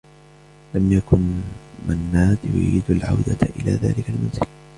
لم يكن منّاد يريد العودة إلى ذلك المنزل.